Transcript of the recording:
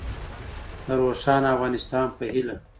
د روښانه افغانستان په هیله.